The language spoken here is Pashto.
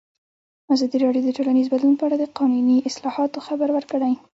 ازادي راډیو د ټولنیز بدلون په اړه د قانوني اصلاحاتو خبر ورکړی.